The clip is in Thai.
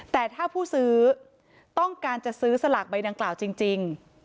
แต่ถ้าผู้ซื้อต้องการจะซื้อสลากใบดังกล่าวจริง